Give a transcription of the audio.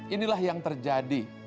inilah yang terjadi